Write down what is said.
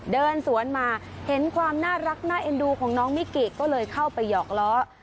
เดินสวนมาเห็นความน่ารักน่าเอ็นดูของน้องมิกิก็เลยเข้าไปหยอกล้อ